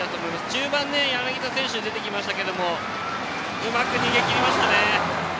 中盤柳田選手が出てきましたけどもうまく逃げ切りましたね。